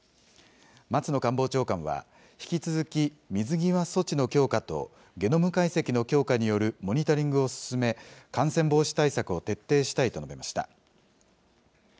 松野官房長官は、引き続き水際措置の強化と、ゲノム解析の強化によるモニタリングを進め、感染防止対策を徹底したいと述べました。